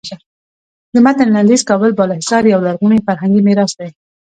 د متن لنډیز کابل بالا حصار یو لرغونی فرهنګي میراث دی.